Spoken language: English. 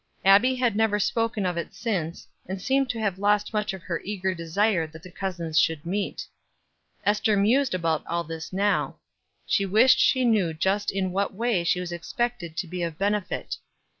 Abbie had never spoken of it since, and seemed to have lost much of her eager desire that the cousins should meet. Ester mused about all this now; she wished she knew just in what way she was expected to be of benefit.